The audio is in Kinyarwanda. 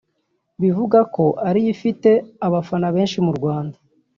bivugwa ko ariyo ifite abafana benshi mu Rwanda